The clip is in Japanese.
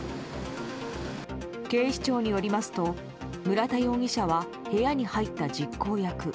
警視庁によりますと村田容疑者は部屋に入った実行役。